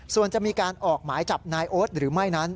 ส่วนจะมีการออกหมายจับนายโอ๊ตหรือไม่นั้น